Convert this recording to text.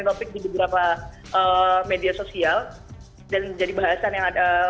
jadi kita bisa menggunakan topik di beberapa media sosial dan menjadi bahasan yang ada